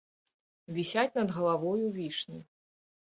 Вісяць над галавою вішні.